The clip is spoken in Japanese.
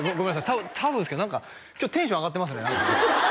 多分多分ですけど何か今日テンション上がってますよね？